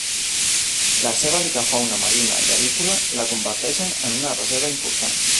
La seva rica fauna marina i avícola la converteixen en una reserva important.